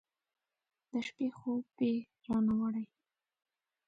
د شپې خوب یې رانه وړی